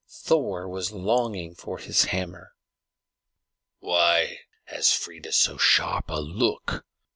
Thor was longing for his hammer. "Why has Freia so sharp a look?"